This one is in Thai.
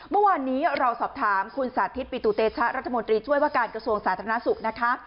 เมื่อวานนี้เราสอบถามคุณสาธิตปิตุเตชะรัฐมนตรีช่วยว่าการกระทรวงสาธารณสุขนะคะ